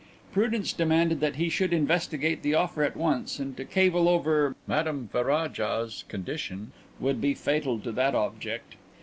Prudence demanded that he should investigate the offer at once and to cavil over Madame Ferraja's conditions would be fatal to that object.